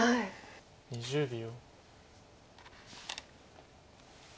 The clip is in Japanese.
２０秒。